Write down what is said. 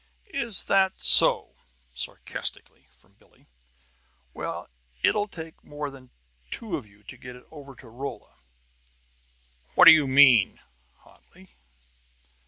"Is that so?" sarcastically, from Billie. "Well, it'll take more than two of you to get it over to Rolla!" "What do you mean?" hotly.